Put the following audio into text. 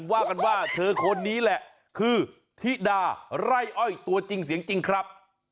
ว่ากันว่าเธอคนนี้แหละคือธิดาไร่อ้อยตัวจริงเสียงจริงครับ